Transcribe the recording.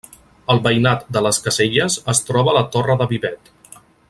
Al veïnat de les Caselles es troba la Torre de Vivet.